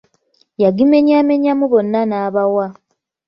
Yagimenyaamenyangamu bonna n'abawa.